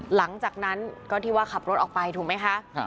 หลังจากนั้นก็ที่ว่าขับรถออกไปถูกไหมคะ